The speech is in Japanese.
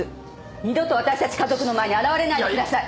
二度と私たち家族の前に現れないでください。